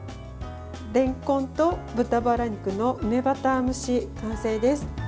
れんこんと豚バラ肉の梅バター蒸し、完成です。